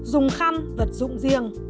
dùng khăn vật dụng riêng